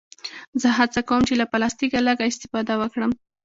زه هڅه کوم چې له پلاستيکه لږ استفاده وکړم.